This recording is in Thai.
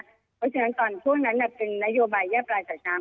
เพราะฉะนั้นตอนช่วงนั้นเป็นนโยบายแยกรายจากน้ำ